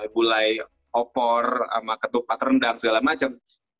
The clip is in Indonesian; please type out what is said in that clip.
mulai opor ketupat rendang segala macam